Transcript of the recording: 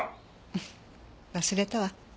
フフ忘れたわ。